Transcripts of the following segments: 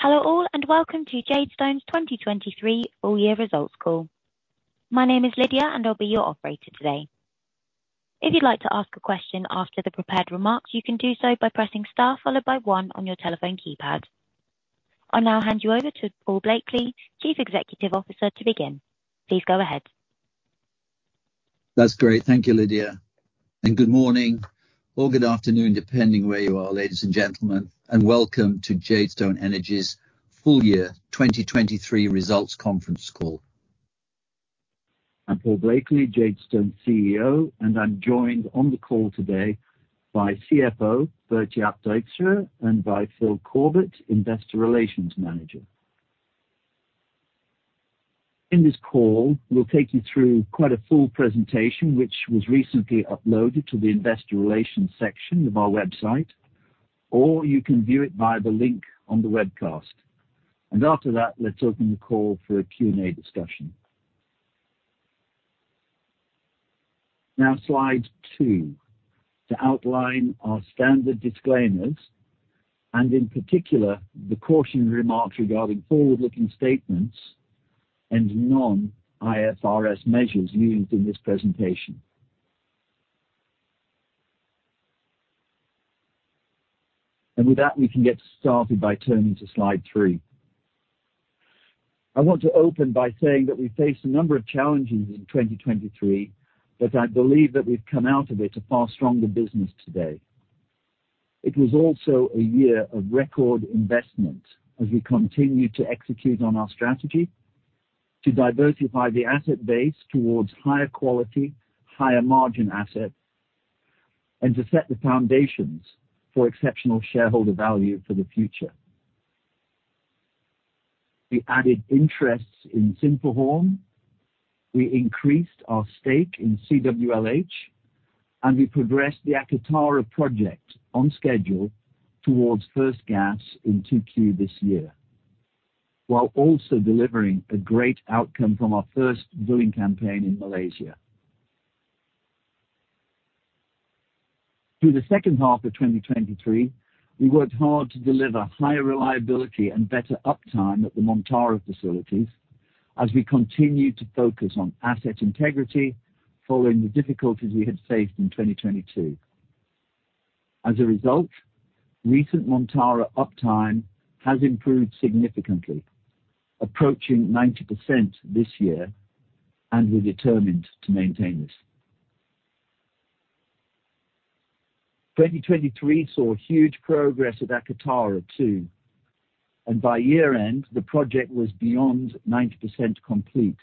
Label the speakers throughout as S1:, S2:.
S1: Hello all and welcome to Jadestone's 2023 All Year Results Call. My name is Lydia and I'll be your operator today. If you'd like to ask a question after the prepared remarks, you can do so by pressing STAR followed by one on your telephone keypad. I'll now hand you over to Paul Blakeley, Chief Executive Officer, to begin. Please go ahead.
S2: That's great. Thank you, Lydia. Good morning, or good afternoon depending where you are, ladies and gentlemen, and welcome to Jadestone Energy's full year 2023 results conference call. I'm Paul Blakeley, Jadestone CEO, and I'm joined on the call today by CFO Bert-Jaap Dijkstra and by Phil Corbett, Investor Relations Manager. In this call, we'll take you through quite a full presentation which was recently uploaded to the Investor Relations section of our website, or you can view it via the link on the webcast. After that, let's open the call for a Q&A discussion. Now, slide two to outline our standard disclaimers, and in particular, the cautionary remarks regarding forward-looking statements and non-IFRS measures used in this presentation. With that, we can get started by turning to slide three. I want to open by saying that we faced a number of challenges in 2023, but I believe that we've come out of it a far stronger business today. It was also a year of record investment as we continue to execute on our strategy to diversify the asset base towards higher quality, higher margin assets, and to set the foundations for exceptional shareholder value for the future. We added interests in Sinphuhorm, we increased our stake in CWLH, and we progressed the Akatara project on schedule towards first gas in 2Q this year, while also delivering a great outcome from our first billing campaign in Malaysia. Through the second half of 2023, we worked hard to deliver higher reliability and better uptime at the Montara facilities as we continue to focus on asset integrity following the difficulties we had faced in 2022. As a result, recent Montara uptime has improved significantly, approaching 90% this year, and we're determined to maintain this. 2023 saw huge progress at Akatara too, and by year-end, the project was beyond 90% complete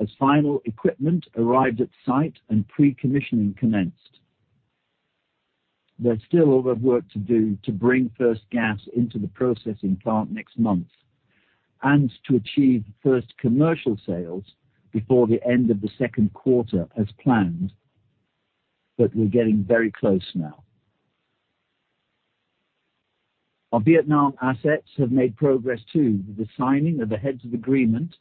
S2: as final equipment arrived at site and pre-commissioning commenced. There's still a lot of work to do to bring first gas into the processing plant next month and to achieve first commercial sales before the end of the second quarter as planned, but we're getting very close now. Our Vietnam assets have made progress too with the signing of a heads of agreement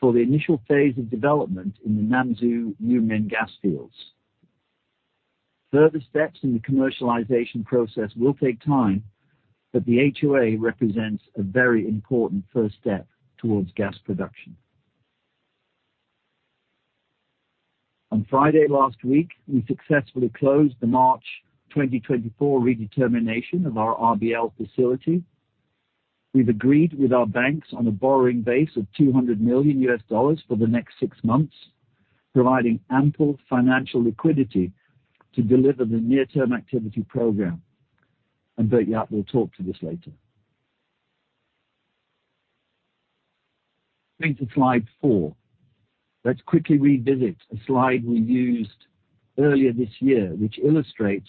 S2: for the initial phase of development in the Nam Du and U Minh gas fields. Further steps in the commercialization process will take time, but the HOA represents a very important first step towards gas production. On Friday last week, we successfully closed the March 2024 redetermination of our RBL facility. We've agreed with our banks on a borrowing base of $200 million for the next six months, providing ample financial liquidity to deliver the near-term activity program. Bert-Jaap will talk to this later. Moving to slide four, let's quickly revisit a slide we used earlier this year which illustrates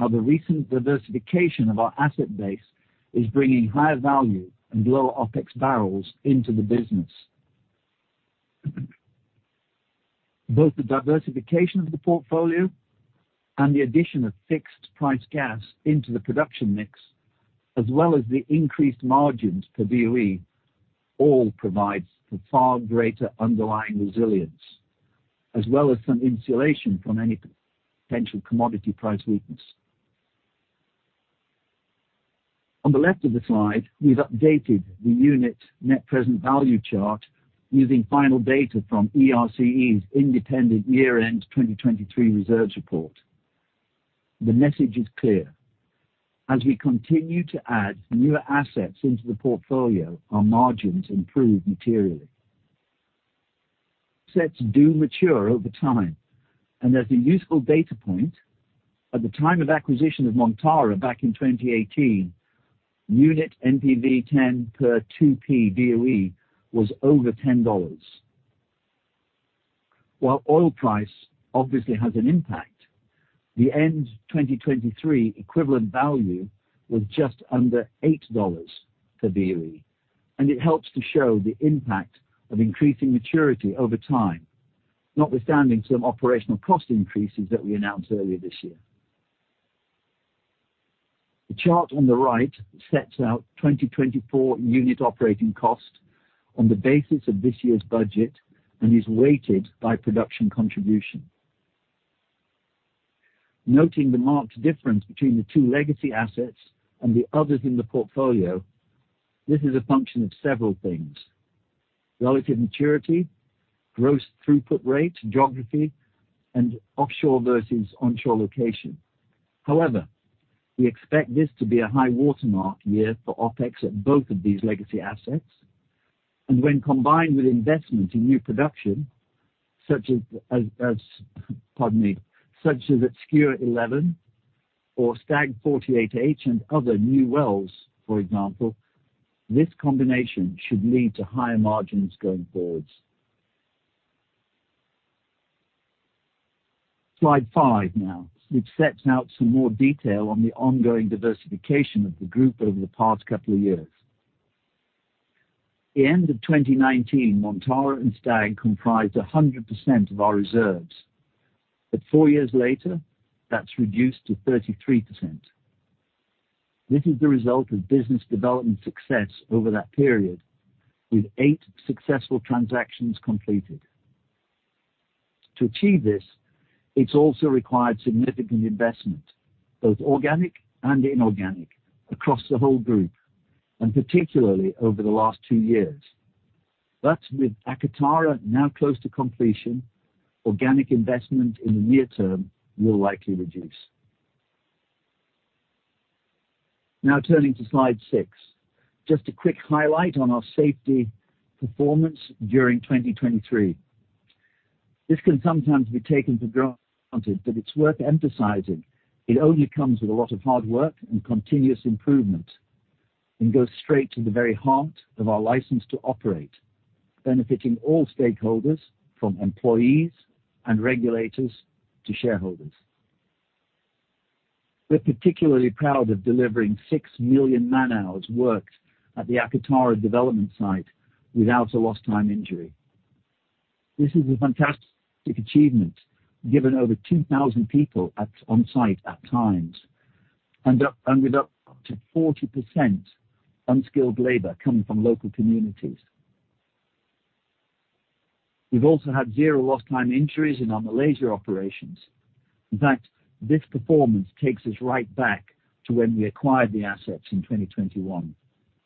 S2: how the recent diversification of our asset base is bringing higher value and lower OPEX barrels into the business. Both the diversification of the portfolio and the addition of fixed-priced gas into the production mix, as well as the increased margins per DOE, all provide for far greater underlying resilience, as well as some insulation from any potential commodity price weakness. On the left of the slide, we've updated the unit net present value chart using final data from ERCE's independent year-end 2023 reserves report. The message is clear. As we continue to add newer assets into the portfolio, our margins improve materially. Assets do mature over time, and as a useful data point, at the time of acquisition of Montara back in 2018, unit NPV10 per 2P DOE was over $10. While oil price obviously has an impact, the end 2023 equivalent value was just under $8 per DOE, and it helps to show the impact of increasing maturity over time, notwithstanding some operational cost increases that we announced earlier this year. The chart on the right sets out 2024 unit operating cost on the basis of this year's budget and is weighted by production contribution. Noting the marked difference between the two legacy assets and the others in the portfolio, this is a function of several things: relative maturity, gross throughput rate, geography, and offshore versus onshore location. However, we expect this to be a high watermark year for OPEX at both of these legacy assets, and when combined with investment in new production such as Skua 11 or Stag 48H and other new wells, for example, this combination should lead to higher margins going forward. Slide five now, which sets out some more detail on the ongoing diversification of the group over the past couple of years. The end of 2019, Montara and Stag comprised 100% of our reserves, but four years later, that's reduced to 33%. This is the result of business development success over that period with eight successful transactions completed. To achieve this, it's also required significant investment, both organic and inorganic, across the whole group, and particularly over the last two years. But with Akatara now close to completion, organic investment in the near term will likely reduce. Now turning to slide six, just a quick highlight on our safety performance during 2023. This can sometimes be taken for granted, but it's worth emphasizing it only comes with a lot of hard work and continuous improvement and goes straight to the very heart of our license to operate, benefiting all stakeholders from employees and regulators to shareholders. We're particularly proud of delivering 6 million man-hours worked at the Akatara development site without a lost-time injury. This is a fantastic achievement given over 2,000 people on site at times and with up to 40% unskilled labor coming from local communities. We've also had zero lost-time injuries in our Malaysia operations. In fact, this performance takes us right back to when we acquired the assets in 2021,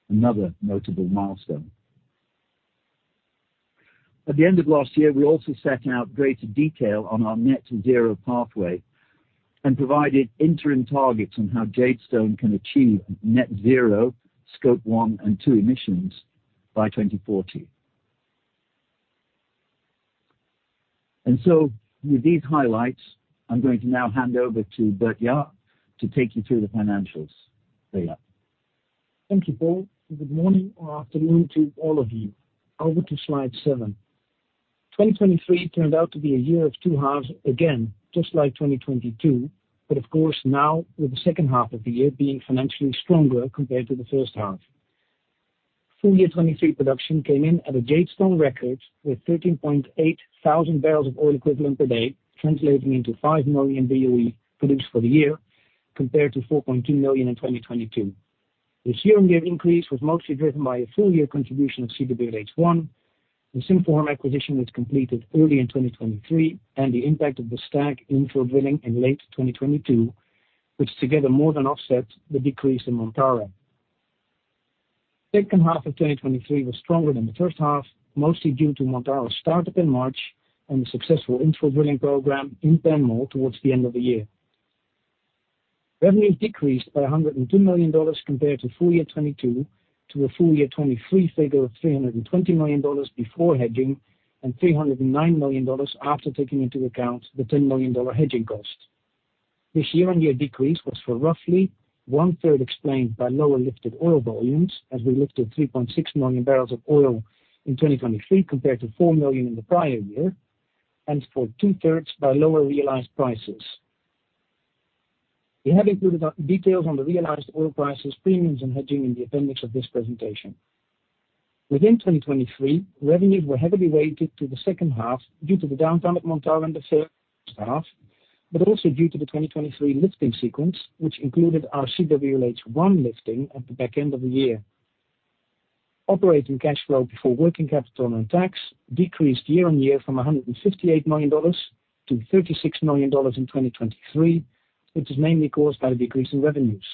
S2: another notable milestone. At the end of last year, we also set out greater detail on our net-zero pathway and provided interim targets on how Jadestone can achieve net-zero Scope one and two emissions by 2040. With these highlights, I'm going to now hand over to Bert-Jaap to take you through the financials. Bert-Jaap.
S3: Thank you, Paul. Good morning or afternoon to all of you. Over to slide seven. 2023 turned out to be a year of two halves again, just like 2022, but of course now with the second half of the year being financially stronger compared to the first half. Full year 2023 production came in at a Jadestone record with 13.8 thousand bbl of oil equivalent per day, translating into 5 million DOE produced for the year compared to 4.2 million in 2022. This year-on-year increase was mostly driven by a full year contribution of CWLH, the Sinphuhorm acquisition which completed early in 2023, and the impact of the Stag infill drilling in late 2022, which together more than offset the decrease in Montara. The second half of 2023 was stronger than the first half, mostly due to Montara startup in March and the successful infill drilling program in PenMal towards the end of the year. Revenues decreased by $102 million compared to full year 2022 to a full year 2023 figure of $320 million before hedging and $309 million after taking into account the $10 million hedging cost. This year-on-year decrease was for roughly one-third explained by lower lifted oil volumes as we lifted 3.6 million bbl of oil in 2023 compared to 4 million in the prior year and for two-thirds by lower realized prices. We have included details on the realized oil prices, premiums, and hedging in the appendix of this presentation. Within 2023, revenues were heavily weighted to the second half due to the downtime at Montara in the first half, but also due to the 2023 lifting sequence which included our CWLH1 lifting at the back end of the year. Operating cash flow before working capital and tax decreased year-on-year from $158 million-$36 million in 2023, which is mainly caused by the decrease in revenues.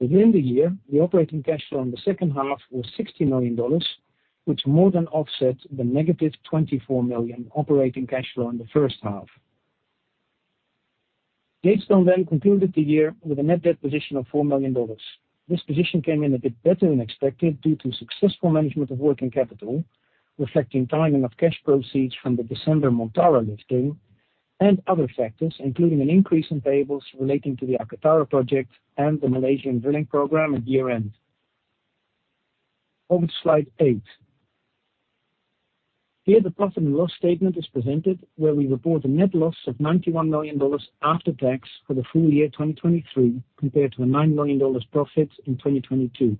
S3: Within the year, the operating cash flow in the second half was $60 million, which more than offset the -$24 million operating cash flow in the first half. Jadestone then concluded the year with a net debt position of $4 million. This position came in a bit better than expected due to successful management of working capital, reflecting timing of cash proceeds from the December Montara lifting, and other factors including an increase in payables relating to the Akatara project and the Malaysian drilling program at year-end. Over to slide eight. Here, the profit and loss statement is presented where we report a net loss of $91 million after tax for the full year 2023 compared to a $9 million profit in 2022.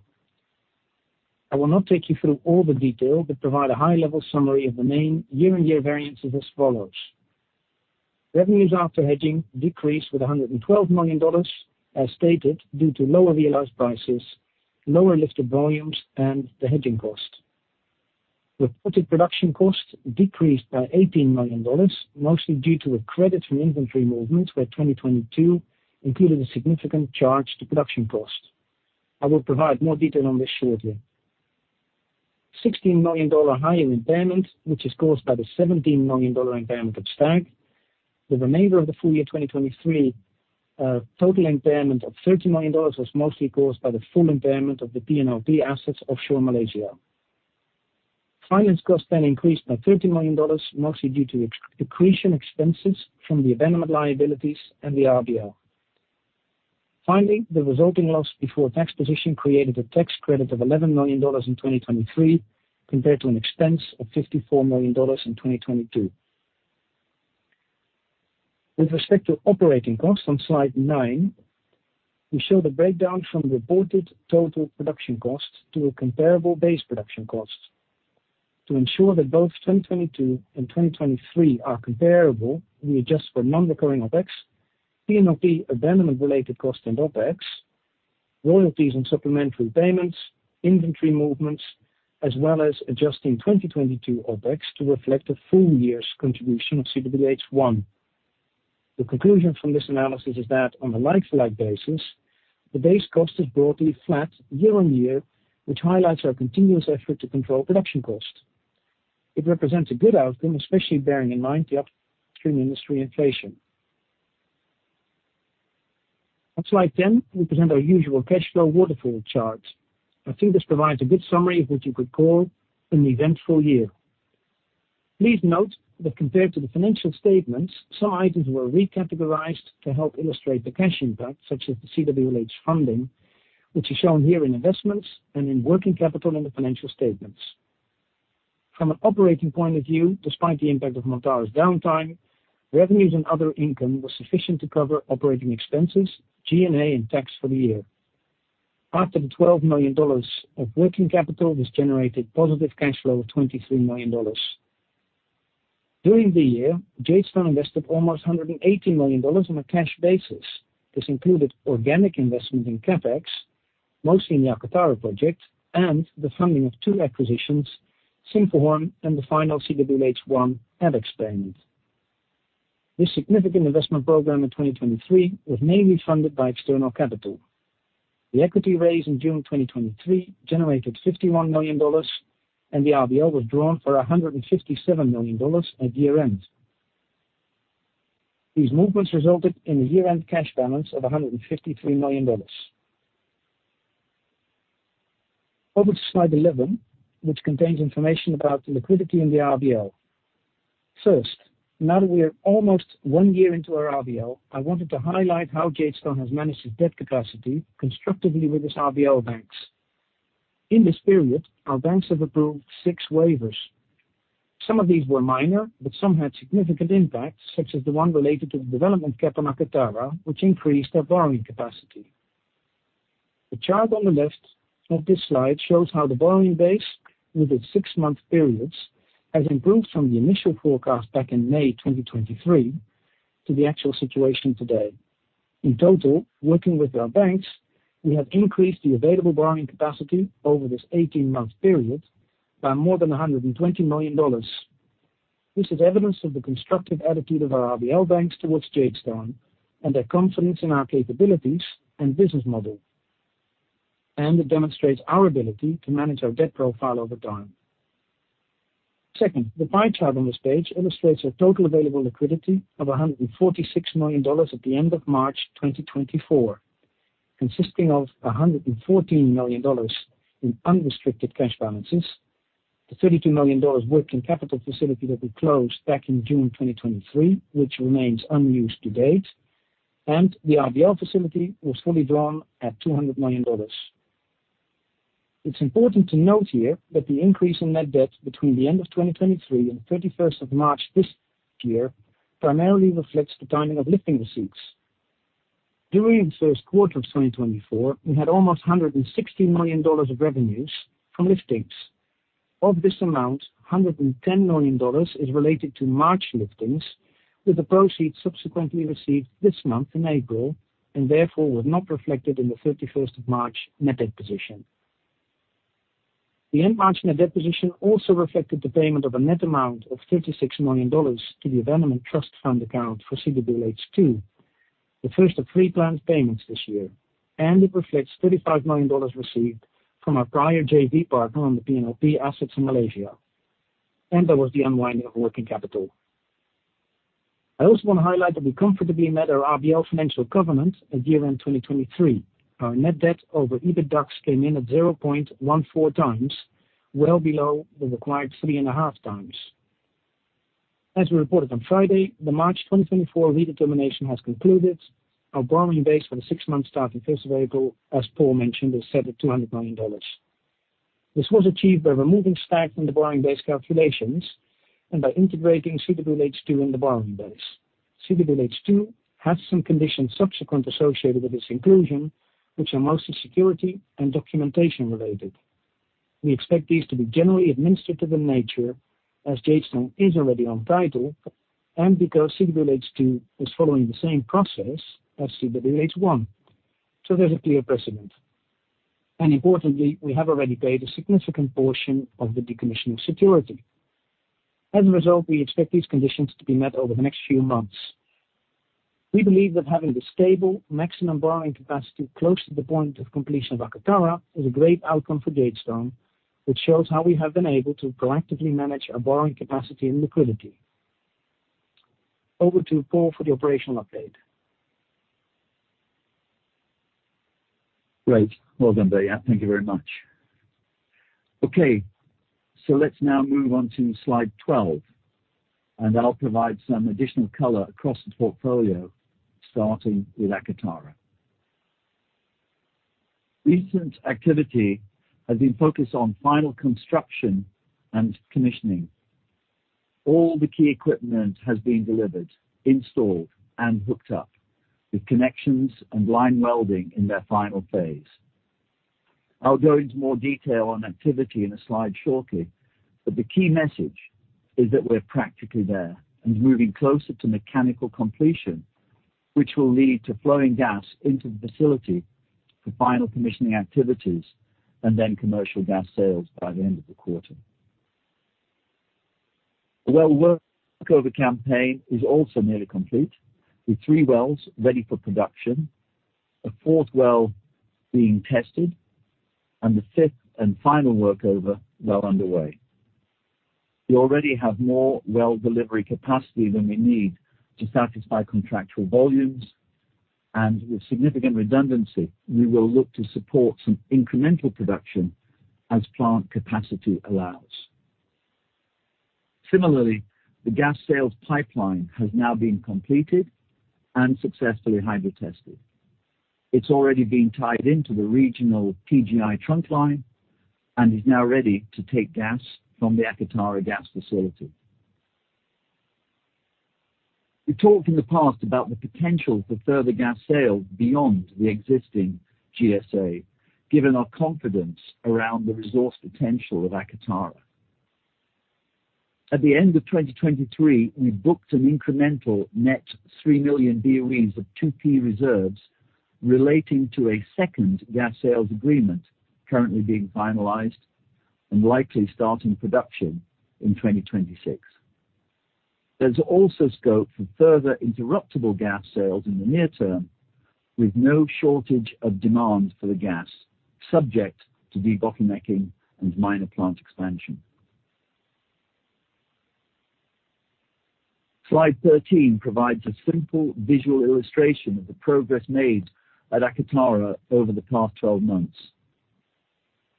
S3: I will not take you through all the detail but provide a high-level summary of the main year on year variances as follows. Revenues after hedging decreased with $112 million as stated due to lower realized prices, lower lifted volumes, and the hedging cost. Reported production cost decreased by $18 million, mostly due to a credit from inventory movements where 2022 included a significant charge to production cost. I will provide more detail on this shortly. $16 million higher impairment which is caused by the $17 million impairment of Stag. The remainder of the full year 2023, total impairment of $30 million was mostly caused by the full impairment of the P&LP assets offshore Malaysia. Finance cost then increased by $30 million, mostly due to accretion expenses from the abandonment liabilities and the RBL. Finally, the resulting loss before tax position created a tax credit of $11 million in 2023 compared to an expense of $54 million in 2022. With respect to operating costs on slide nine, we show the breakdown from reported total production cost to a comparable base production cost. To ensure that both 2022 and 2023 are comparable, we adjust for non-recurring OPEX, P&LP abandonment-related cost and OPEX, royalties and supplementary payments, inventory movements, as well as adjusting 2022 OPEX to reflect the full year's contribution of CWLH1. The conclusion from this analysis is that on a like to like basis, the base cost is broadly flat year on year, which highlights our continuous effort to control production cost. It represents a good outcome, especially bearing in mind the upstream industry inflation. On slide 10, we present our usual cash flow waterfall chart. I think this provides a good summary of what you could call an eventful year. Please note that compared to the financial statements, some items were recategorized to help illustrate the cash impact such as the CWLH funding, which is shown here in investments and in working capital in the financial statements. From an operating point of view, despite the impact of Montara's downtime, revenues and other income were sufficient to cover operating expenses, G&A, and tax for the year. After the $12 million of working capital was generated, positive cash flow of $23 million. During the year, Jadestone invested almost $118 million on a cash basis. This included organic investment in CapEx, mostly in the Akatara project, and the funding of two acquisitions, Sinphuhorm and the final CWLH1 abex payment. This significant investment program in 2023 was mainly funded by external capital. The equity raise in June 2023 generated $51 million, and the RBL was drawn for $157 million at year-end. These movements resulted in a year-end cash balance of $153 million. Over to slide 11, which contains information about the liquidity in the RBL. First, now that we are almost one year into our RBL, I wanted to highlight how Jadestone has managed its debt capacity constructively with its RBL banks. In this period, our banks have approved six waivers. Some of these were minor, but some had significant impact such as the one related to the development cap on Akatara, which increased our borrowing capacity. The chart on the left of this slide shows how the borrowing base with its six month periods has improved from the initial forecast back in May 2023 to the actual situation today. In total, working with our banks, we have increased the available borrowing capacity over this 18 month period by more than $120 million. This is evidence of the constructive attitude of our RBL banks towards Jadestone and their confidence in our capabilities and business model. It demonstrates our ability to manage our debt profile over time. Second, the pie chart on this page illustrates our total available liquidity of $146 million at the end of March 2024, consisting of $114 million in unrestricted cash balances, the $32 million working capital facility that we closed back in June 2023, which remains unused to date, and the RBL facility was fully drawn at $200 million. It's important to note here that the increase in net debt between the end of 2023 and the March 31st this year primarily reflects the timing of lifting receipts. During the first quarter of 2024, we had almost $116 million of revenues from liftings. Of this amount, $110 million is related to March liftings with the proceeds subsequently received this month in April and therefore were not reflected in the March 31st net debt position. The end March net debt position also reflected the payment of a net amount of $36 million to the abandonment trust fund account for CWLH2, the first of three planned payments this year, and it reflects $35 million received from our prior JV partner on the P&LP assets in Malaysia. There was the unwinding of working capital. I also want to highlight that we comfortably met our RBL financial covenant at year-end 2023. Our net debt over EBITDA came in at 0.14x, well below the required 3.5x. As we reported on Friday, the March 2024 redetermination has concluded. Our borrowing base for the six-month starting 1st of April, as Paul mentioned, is set at $200 million. This was achieved by removing Stag from the borrowing base calculations and by integrating CWLH2 in the borrowing base. CWLH2 has some conditions subsequent associated with this inclusion, which are mostly security and documentation related. We expect these to be generally administered to the nature as Jadestone is already on title and because CWLH2 is following the same process as CWLH1, so there's a clear precedent. Importantly, we have already paid a significant portion of the decommissioning security. As a result, we expect these conditions to be met over the next few months. We believe that having the stable maximum borrowing capacity close to the point of completion of Akatara is a great outcome for Jadestone, which shows how we have been able to proactively manage our borrowing capacity and liquidity. Over to Paul for the operational update.
S2: Great. Well done, Bert-Jaap. Thank you very much. Okay. So let's now move on to slide 12, and I'll provide some additional color across the portfolio starting with Akatara. Recent activity has been focused on final construction and commissioning. All the key equipment has been delivered, installed, and hooked up with connections and line welding in their final phase. I'll go into more detail on activity in a slide shortly, but the key message is that we're practically there and moving closer to mechanical completion, which will lead to flowing gas into the facility for final commissioning activities and then commercial gas sales by the end of the quarter. The well workover campaign is also nearly complete with three wells ready for production, a 4th well being tested, and the 5th and final workover well underway. We already have more well delivery capacity than we need to satisfy contractual volumes, and with significant redundancy, we will look to support some incremental production as plant capacity allows. Similarly, the gas sales pipeline has now been completed and successfully hydro-tested. It's already been tied into the regional PGI trunk line and is now ready to take gas from the Akatara gas facility. We talked in the past about the potential for further gas sales beyond the existing GSA, given our confidence around the resource potential of Akatara. At the end of 2023, we booked an incremental net 3 million BOEs of 2P reserves relating to a second gas sales agreement currently being finalized and likely starting production in 2026. There's also scope for further interruptible gas sales in the near term with no shortage of demand for the gas subject to debottlenecking and minor plant expansion. Slide 13 provides a simple visual illustration of the progress made at Akatara over the past 12 months.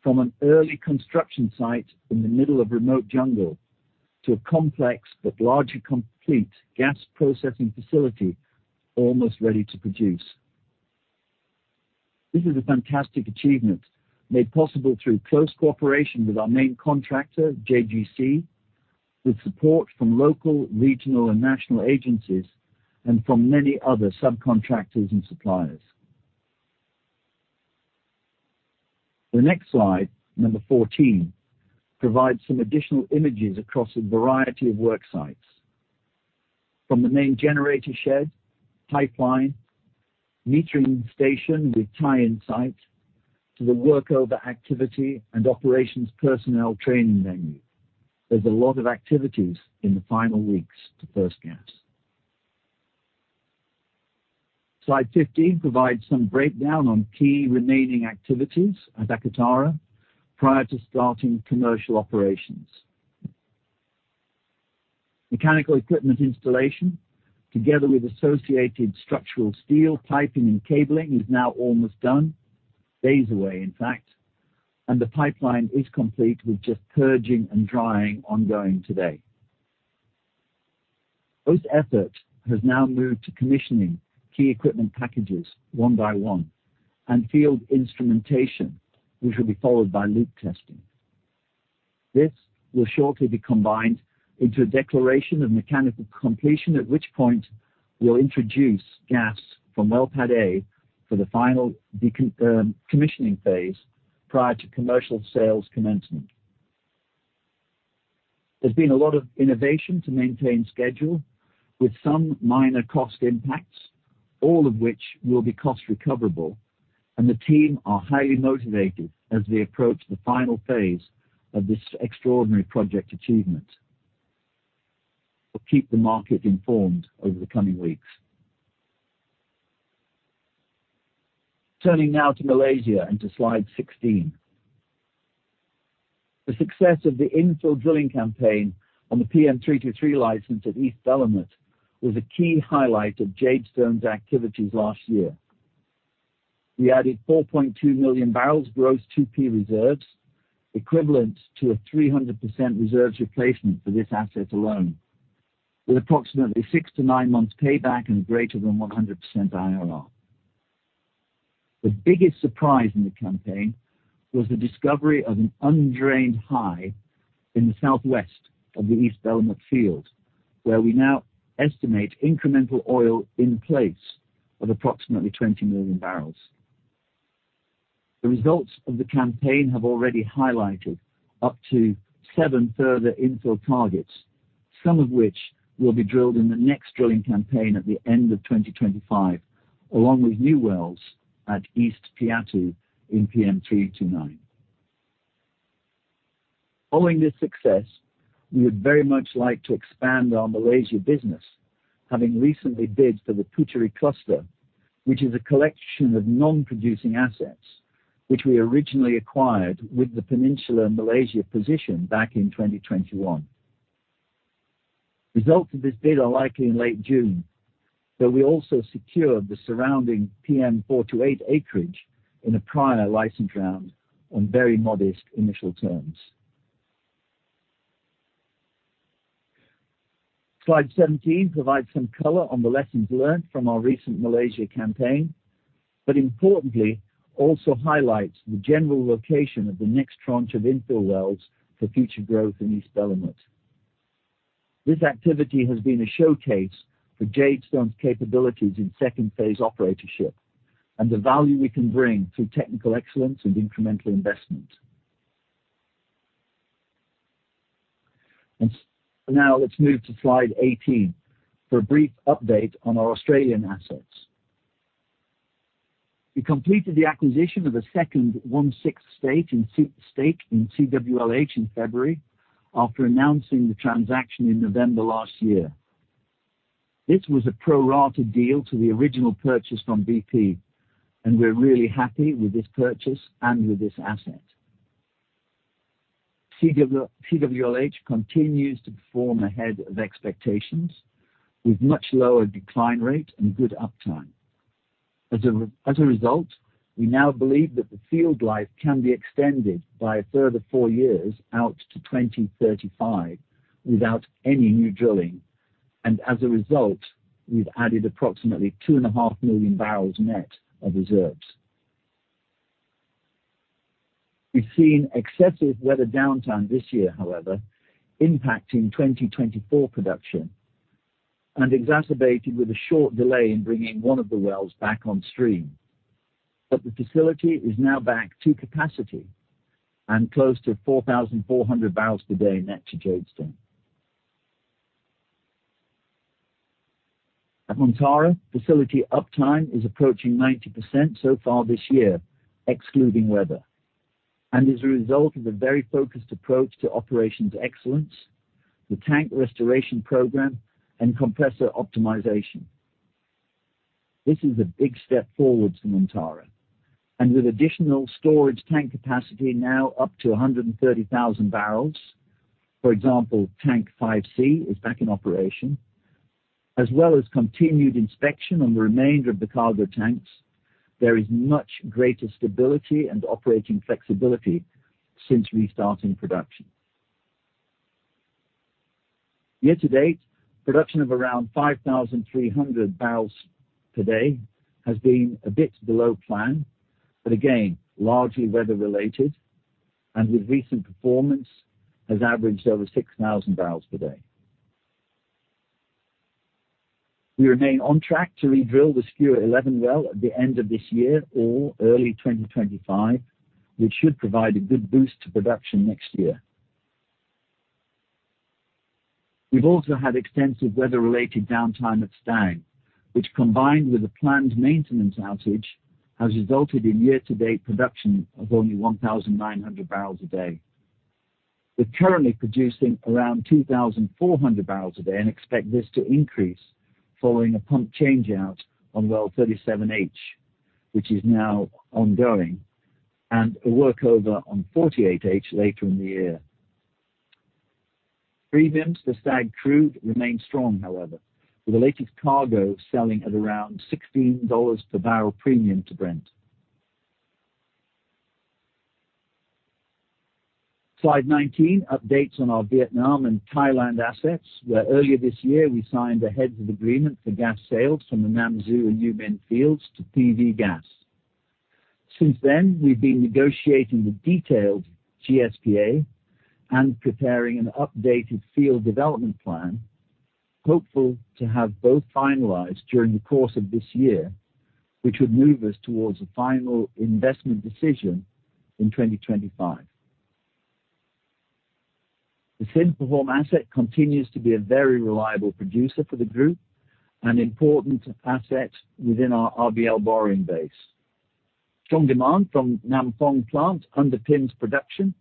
S2: From an early construction site in the middle of remote jungle to a complex but largely complete gas processing facility almost ready to produce. This is a fantastic achievement made possible through close cooperation with our main contractor, JGC, with support from local, regional, and national agencies and from many other subcontractors and suppliers. The next slide, number 14, provides some additional images across a variety of worksites. From the main generator shed, pipeline, metering station with tie-in site to the workover activity and operations personnel training venue, there's a lot of activities in the final weeks to first gas. Slide 15 provides some breakdown on key remaining activities at Akatara prior to starting commercial operations. Mechanical equipment installation together with associated structural steel piping and cabling is now almost done, days away, in fact, and the pipeline is complete with just purging and drying ongoing today. Most effort has now moved to commissioning key equipment packages one by one and field instrumentation, which will be followed by loop testing. This will shortly be combined into a declaration of mechanical completion, at which point we'll introduce gas from well pad A for the final commissioning phase prior to commercial sales commencement. There's been a lot of innovation to maintain schedule with some minor cost impacts, all of which will be cost recoverable, and the team are highly motivated as they approach the final phase of this extraordinary project achievement. We'll keep the market informed over the coming weeks. Turning now to Malaysia and to slide 16. The success of the infill drilling campaign on the PM 323 license at East Belumut was a key highlight of Jadestone's activities last year. We added 4.2 million bbl gross 2P reserves, equivalent to a 300% reserves replacement for this asset alone, with approximately six to nine months payback and greater than 100% [IRR]. The biggest surprise in the campaign was the discovery of an undrained high in the southwest of the East Belumut field, where we now estimate incremental oil in place of approximately 20 million bbl. The results of the campaign have already highlighted up to seven further infill targets, some of which will be drilled in the next drilling campaign at the end of 2025, along with new wells at East Piatu in PM329. Following this success, we would very much like to expand our Malaysia business, having recently bid for the Puteri cluster, which is a collection of non-producing assets which we originally acquired with the Peninsular Malaysia position back in 2021. Results of this bid are likely in late June, though we also secured the surrounding PM428 acreage in a prior license round on very modest initial terms. Slide 17 provides some color on the lessons learned from our recent Malaysia campaign, but importantly, also highlights the general location of the next tranche of infill wells for future growth in East Belumut. This activity has been a showcase for Jadestone's capabilities in second phase operatorship and the value we can bring through technical excellence and incremental investment. Now let's move to slide 18 for a brief update on our Australian assets. We completed the acquisition of a second 1/6 stake in CWLH in February after announcing the transaction in November last year. This was a pro rata deal to the original purchased from BP, and we're really happy with this purchase and with this asset. CWLH continues to perform ahead of expectations with much lower decline rate and good uptime. As a result, we now believe that the field life can be extended by a further four years out to 2035 without any new drilling, and as a result, we've added approximately 2.5 million bbl net of reserves. We've seen excessive weather downtime this year, however, impacting 2024 production and exacerbated with a short delay in bringing one of the wells back on stream. But the facility is now back to capacity and close to 4,400 bbl per day net to Jadestone. At Montara, facility uptime is approaching 90% so far this year excluding weather. As a result of a very focused approach to operations excellence, the tank restoration program, and compressor optimization. This is a big step forward for Montara. With additional storage tank capacity now up to 130,000 bbl, for example, tank 5C is back in operation, as well as continued inspection on the remainder of the cargo tanks, there is much greater stability and operating flexibility since restarting production. Year to date, production of around 5,300 bbl per day has been a bit below plan, but again, largely weather related, and with recent performance has averaged over 6,000 bbl per day. We remain on track to redrill the Skua 11 well at the end of this year or early 2025, which should provide a good boost to production next year. We've also had extensive weather-related downtime at Stag, which combined with a planned maintenance outage has resulted in year-to-date production of only 1,900 bbl a day. We're currently producing around 2,400 bbl a day and expect this to increase following a pump changeout on well 37H, which is now ongoing, and a workover on 48H later in the year. Premiums for Stag crude remain strong, however, with the latest cargo selling at around $16 per barrel premium to Brent. Slide 19 updates on our Vietnam and Thailand assets, where earlier this year we signed a heads of agreement for gas sales from the Nam Du and U Minh fields to PV GAS. Since then, we've been negotiating the detailed GSPA and preparing an updated field development plan, hopeful to have both finalized during the course of this year, which would move us towards a final investment decision in 2025. The Sinphuhorm asset continues to be a very reliable producer for the group and important asset within our RBL borrowing base. Strong demand from Nam Phong plant underpins production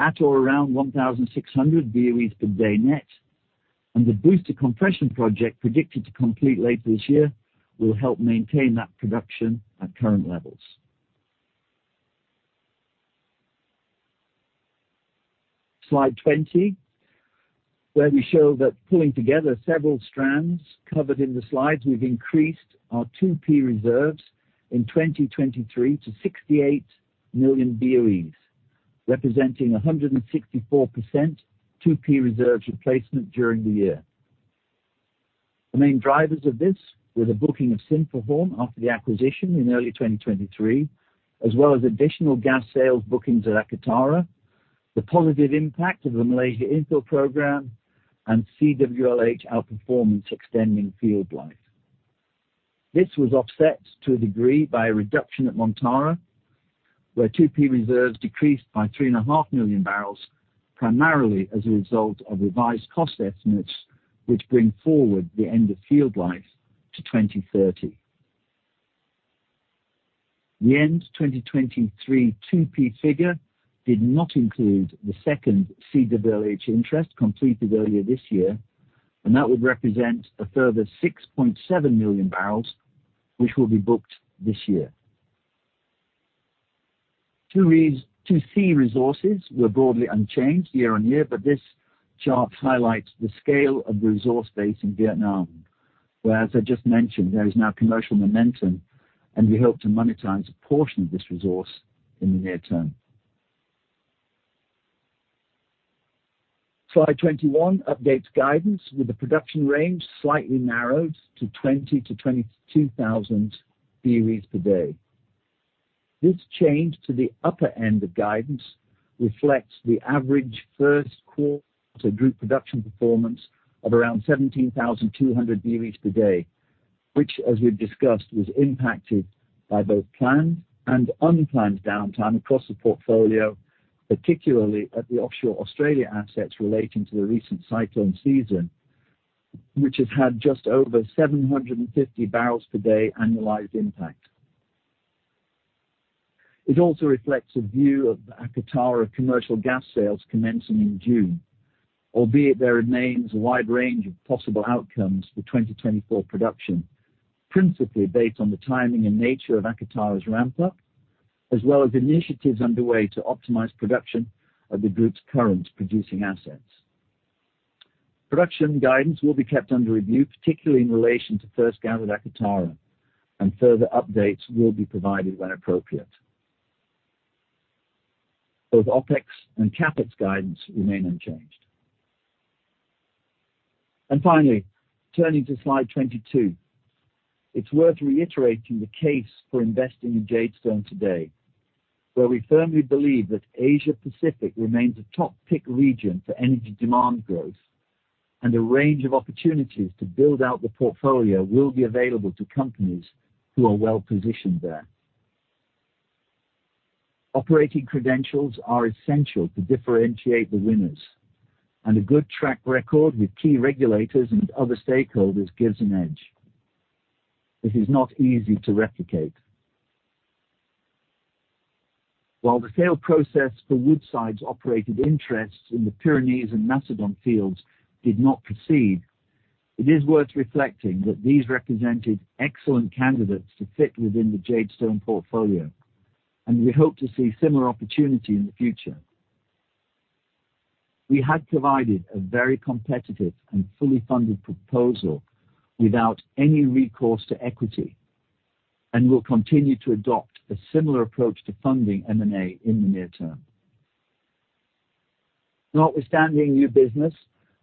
S2: at or around 1,600 BOEs per day net, and the booster compression project predicted to complete later this year will help maintain that production at current levels. Slide 20, where we show that pulling together several strands covered in the slides, we've increased our 2P reserves in 2023 to 68 million BOEs, representing 164% 2P reserves replacement during the year. The main drivers of this were the booking of Sinphuhorm after the acquisition in early 2023, as well as additional gas sales bookings at Akatara, the positive impact of the Malaysia infill program, and CWLH outperformance extending field life. This was offset to a degree by a reduction at Montara, where 2P reserves decreased by 3.5 million bbl, primarily as a result of revised cost estimates, which bring forward the end of field life to 2030. The end 2023 2P figure did not include the second CWLH interest completed earlier this year, and that would represent a further 6.7 million bbl, which will be booked this year. 2C resources were broadly unchanged year on year, but this chart highlights the scale of the resource base in Vietnam, where, as I just mentioned, there is now commercial momentum, and we hope to monetize a portion of this resource in the near term. Slide 21 updates guidance with the production range slightly narrowed to 20,000-22,000 BOEs per day. This change to the upper end of guidance reflects the average first quarter group production performance of around 17,200 BOEs per day, which, as we've discussed, was impacted by both planned and unplanned downtime across the portfolio, particularly at the offshore Australia assets relating to the recent cyclone season, which has had just over 750 bbl per day annualized impact. It also reflects a view of Akatara commercial gas sales commencing in June, albeit there remains a wide range of possible outcomes for 2024 production, principally based on the timing and nature of Akatara's ramp-up, as well as initiatives underway to optimize production of the group's current producing assets. Production guidance will be kept under review, particularly in relation to first gathered Akatara, and further updates will be provided when appropriate. Both OPEX and CAPEX guidance remain unchanged. And finally, turning to slide 22, it's worth reiterating the case for investing in Jadestone today, where we firmly believe that Asia-Pacific remains a top-pick region for energy demand growth, and a range of opportunities to build out the portfolio will be available to companies who are well positioned there. Operating credentials are essential to differentiate the winners, and a good track record with key regulators and other stakeholders gives an edge. This is not easy to replicate. While the sale process for Woodside's operated interests in the Pyrenees and Macedon fields did not proceed, it is worth reflecting that these represented excellent candidates to fit within the Jadestone portfolio, and we hope to see similar opportunity in the future. We had provided a very competitive and fully funded proposal without any recourse to equity, and will continue to adopt a similar approach to funding M&A in the near term. Notwithstanding new business,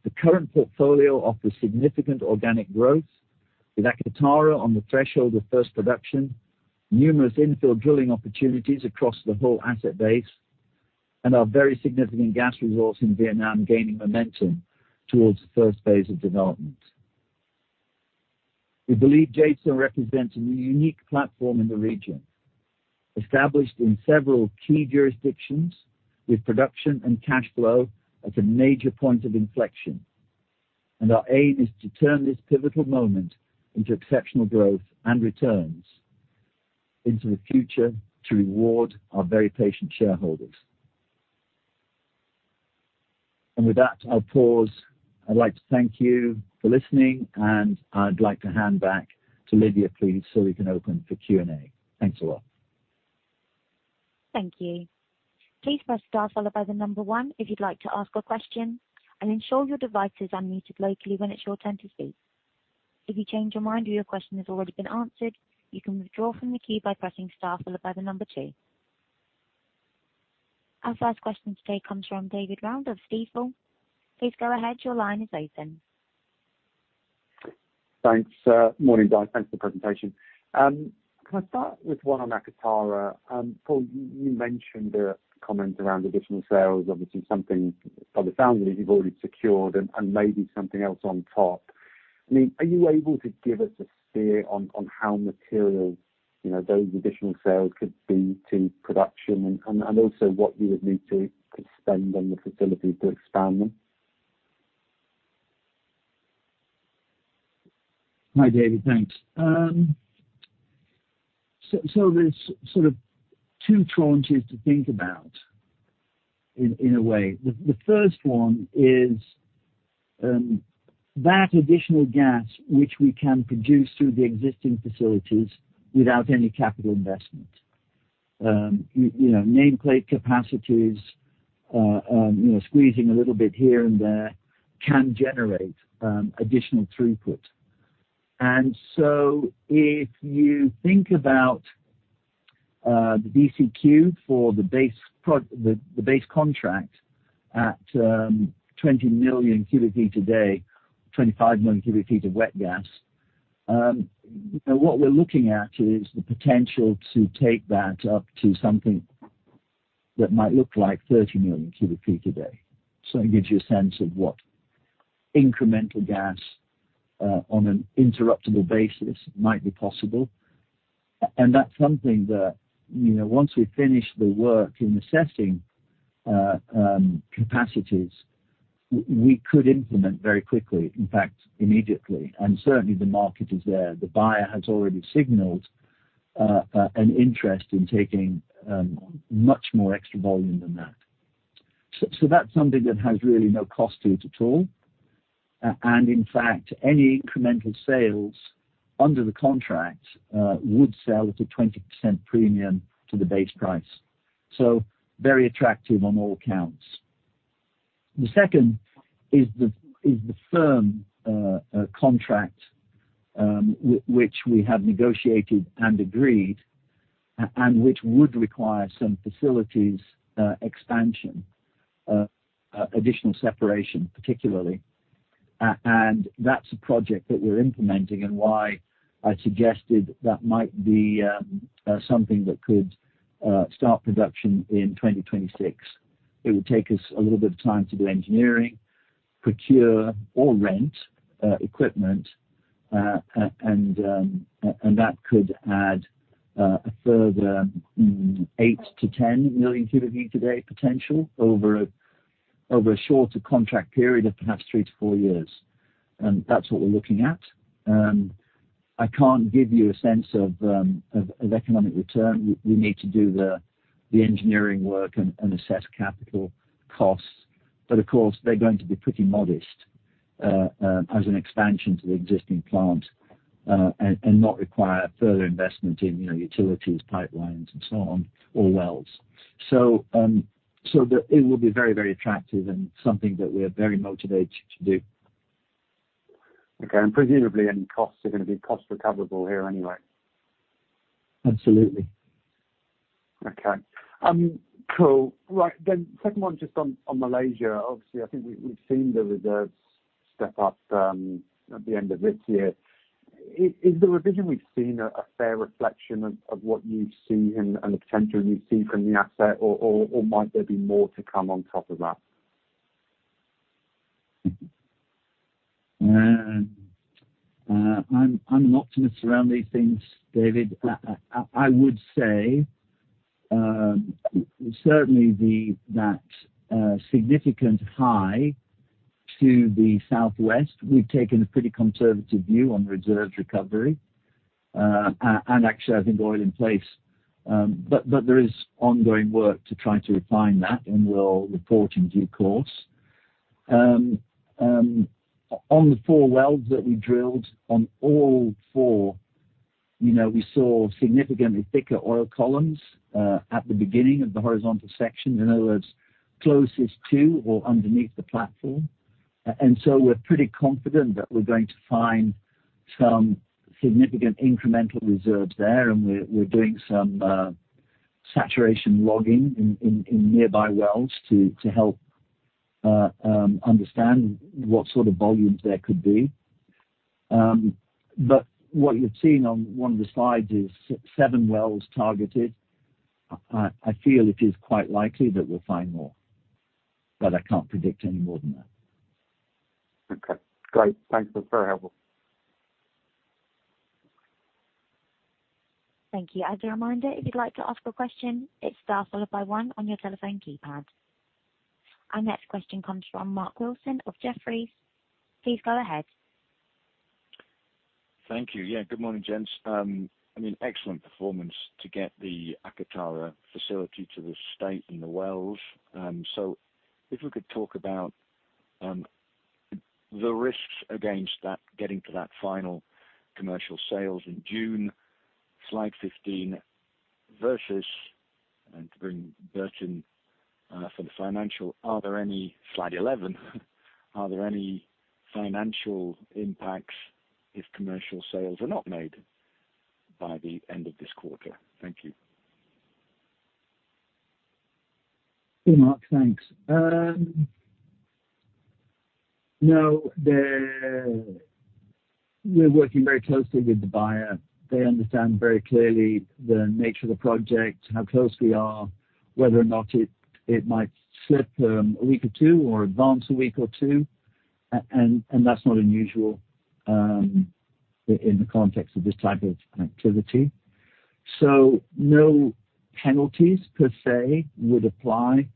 S2: the current portfolio offers significant organic growth with Akatara on the threshold of first production, numerous infill drilling opportunities across the whole asset base, and our very significant gas resource in Vietnam gaining momentum towards the first phase of development. We believe Jadestone represents a new unique platform in the region, established in several key jurisdictions with production and cash flow at a major point of inflection, and our aim is to turn this pivotal moment into exceptional growth and returns into the future to reward our very patient shareholders. And with that, I'll pause. I'd like to thank you for listening, and I'd like to hand back to Lydia, please, so we can open for Q&A. Thanks a lot.
S1: Thank you. Please press star followed by the number one if you'd like to ask a question, and ensure your device is unmuted locally when it's your turn to speak. If you change your mind or your question has already been answered, you can withdraw from the queue by pressing star followed by the number two. Our first question today comes from David Round of Stifel. Please go ahead. Your line is open.
S4: Thanks. Morning, Paul. Thanks for the presentation. Can I start with one on Akatara? Paul, you mentioned a comment around additional sales, obviously something by the sounds of it you've already secured and maybe something else on top. I mean, are you able to give us a steer on how material those additional sales could be to production and also what you would need to spend on the facilities to expand them?
S2: Hi, David. Thanks. So there's sort of two tranches to think about in a way. The first one is that additional gas which we can produce through the existing facilities without any capital investment. Nameplate capacities, squeezing a little bit here and there, can generate additional throughput. And so if you think about the DCQ for the base contract at 20 million cu ft a day, 25 million cu ft of wet gas, what we're looking at is the potential to take that up to something that might look like 30 million cubic feet a day. So it gives you a sense of what incremental gas on an interruptible basis might be possible. And that's something that once we finish the work in assessing capacities, we could implement very quickly, in fact, immediately. And certainly, the market is there. The buyer has already signaled an interest in taking much more extra volume than that. That's something that has really no cost to it at all. In fact, any incremental sales under the contract would sell at a 20% premium to the base price. Very attractive on all counts. The second is the firm contract which we have negotiated and agreed and which would require some facilities expansion, additional separation particularly. That's a project that we're implementing and why I suggested that might be something that could start production in 2026. It would take us a little bit of time to do engineering, procure or rent equipment, and that could add a further 8-10 million cu ft a day potential over a shorter contract period of perhaps three to four years. That's what we're looking at. I can't give you a sense of economic return. We need to do the engineering work and assess capital costs. But of course, they're going to be pretty modest as an expansion to the existing plant and not require further investment in utilities, pipelines, and so on, or wells. So it will be very, very attractive and something that we are very motivated to do.
S4: Okay. Presumably, any costs are going to be cost recoverable here anyway.
S2: Absolutely.
S4: Okay. Cool. Right. Then second one, just on Malaysia. Obviously, I think we've seen the reserves step up at the end of this year. Is the revision we've seen a fair reflection of what you've seen and the potential you see from the asset, or might there be more to come on top of that?
S2: I'm an optimist around these things, David. I would say certainly that significant height to the southwest. We've taken a pretty conservative view on reserves recovery. Actually, I think oil in place. But there is ongoing work to try to refine that, and we'll report in due course. On the four wells that we drilled, on all four, we saw significantly thicker oil columns at the beginning of the horizontal section, in other words, closest to or underneath the platform. And so we're pretty confident that we're going to find some significant incremental reserves there, and we're doing some saturation logging in nearby wells to help understand what sort of volumes there could be. But what you're seeing on one of the slides is seven wells targeted. I feel it is quite likely that we'll find more, but I can't predict any more than that.
S4: Okay. Great. Thanks. That's very helpful.
S1: Thank you. As a reminder, if you'd like to ask a question, it's star followed by one on your telephone keypad. Our next question comes from Mark Wilson of Jefferies. Please go ahead.
S5: Thank you. Yeah. Good morning, gents. I mean, excellent performance to get the Akatara facility to the state and the wells. So if we could talk about the risks against getting to that final commercial sales in June, slide 15, versus and to bring Bert-Jaap for the financial, are there any slide 11, are there any financial impacts if commercial sales are not made by the end of this quarter? Thank you.
S2: Good, Mark. Thanks. No, we're working very closely with the buyer. They understand very clearly the nature of the project, how close we are, whether or not it might slip a week or two or advance a week or two. And that's not unusual in the context of this type of activity. So no penalties per se would apply.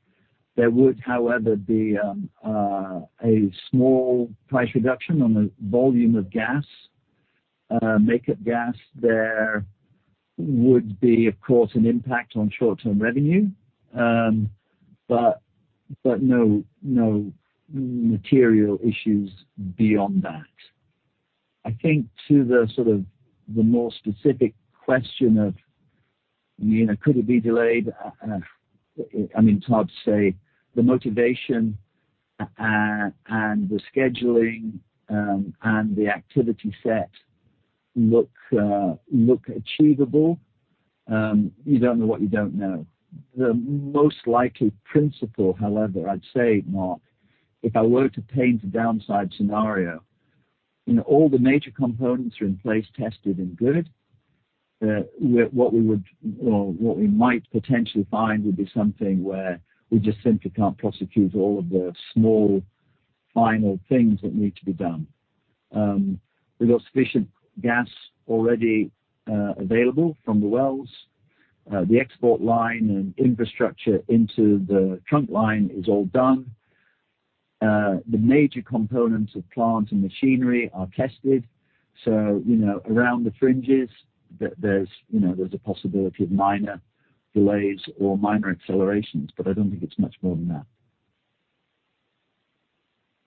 S2: There would, however, be a small price reduction on the volume of gas, makeup gas there. There would be, of course, an impact on short-term revenue, but no material issues beyond that. I think to the sort of the more specific question of, "I mean, could it be delayed?" I mean, it's hard to say. The motivation and the scheduling and the activity set look achievable. You don't know what you don't know. The most likely principle, however, I'd say, Mark, if I were to paint a downside scenario, all the major components are in place, tested, and good. What we would or what we might potentially find would be something where we just simply can't prosecute all of the small final things that need to be done. We've got sufficient gas already available from the wells. The export line and infrastructure into the trunk line is all done. The major components of plant and machinery are tested. So around the fringes, there's a possibility of minor delays or minor accelerations, but I don't think it's much more than that.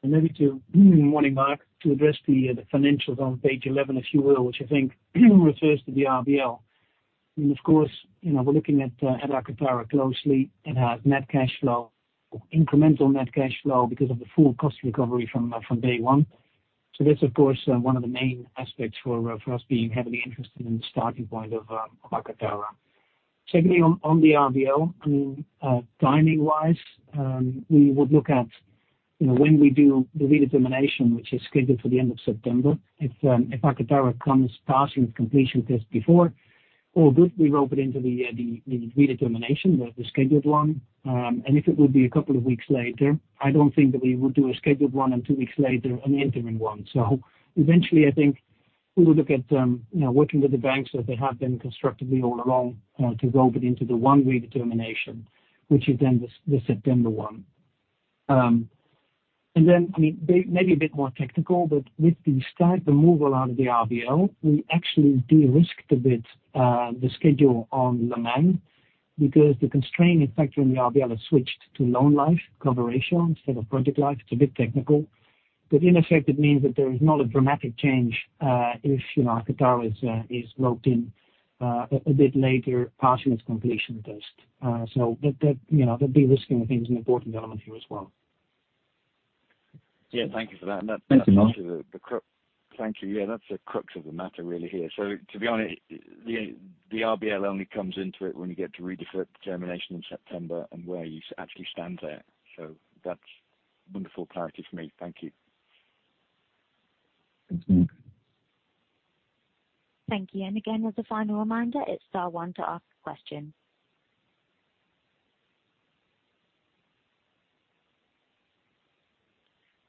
S3: Maybe too, good morning, Mark, to address the financials on page 11, if you will, which I think refers to the RBL. I mean, of course, we're looking at Akatara closely. It has net cash flow, incremental net cash flow because of the full cost recovery from day one. So this is, of course, one of the main aspects for us being heavily interested in the starting point of Akatara. Secondly, on the RBL, I mean, timing-wise, we would look at when we do the redetermination, which is scheduled for the end of September. If Akatara comes passing its completion test before, all good. We rope it into the redetermination, the scheduled one. And if it would be a couple of weeks later, I don't think that we would do a scheduled one and two weeks later an interim one. So eventually, I think we would look at working with the banks that they have been constructive all along to rope it into the one redetermination, which is then the September one. And then, I mean, maybe a bit more technical, but with the start, the move allowed of the RBL, we actually de-risked a bit the schedule on Lemang because the constraining factor in the RBL has switched to loan life cover ratio instead of project life. It's a bit technical. But in effect, it means that there is not a dramatic change if Akatara is roped in a bit later passing its completion test. So that de-risking, I think, is an important element here as well.
S5: Yeah. Thank you for that. And that's actually the.
S2: Thank you, Mark.
S5: Thank you. Yeah. That's the crux of the matter, really, here. So to be honest, the RBL only comes into it when you get to redetermination in September and where you actually stand there. So that's wonderful clarity for me. Thank you.
S2: Thanks, Mark.
S1: Thank you. Again, as a final reminder, it's star one to ask a question.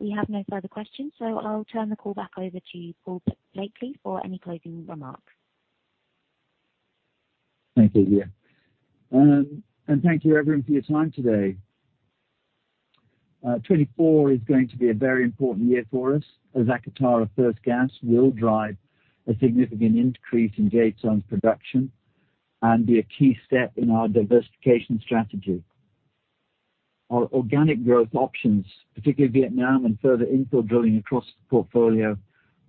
S1: We have no further questions, so I'll turn the call back over to Paul Blakeley for any closing remarks.
S2: Thank you, Leah. Thank you, everyone, for your time today. 2024 is going to be a very important year for us as Akatara first gas will drive a significant increase in Jadestone's production and be a key step in our diversification strategy. Our organic growth options, particularly Vietnam and further infill drilling across the portfolio,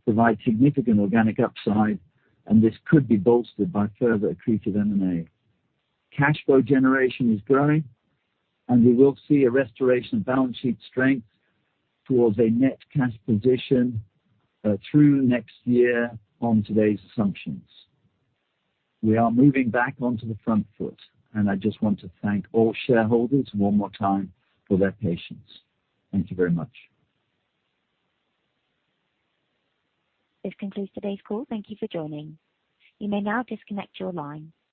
S2: provide significant organic upside, and this could be bolstered by further accretive M&A. Cash flow generation is growing, and we will see a restoration of balance sheet strength towards a net cash position through next year on today's assumptions. We are moving back onto the front foot, and I just want to thank all shareholders one more time for their patience. Thank you very much.
S1: This concludes today's call. Thank you for joining. You may now disconnect your line.